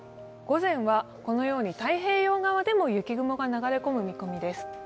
午前はこのように太平洋側でも雪雲が流れ込む見込みです。